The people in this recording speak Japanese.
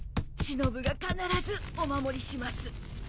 しのぶが必ずお守りします。